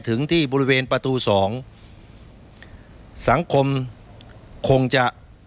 ถึงที่บริเวณประตูสองสังคมคงจะ